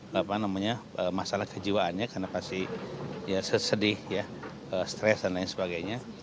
apa namanya masalah kejiwaannya karena pasti ya sedih ya stres dan lain sebagainya